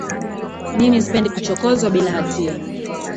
Mimi sipendi kuchokozwa bila hatia